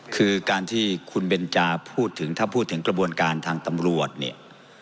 คือการที่คุณเบนจาพูดถึงถ้าพูดถึงกระบวนการทางตำรวจเนี่ย